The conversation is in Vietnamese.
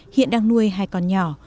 hiện đang nuôi hai con nhỏ